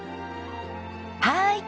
はい。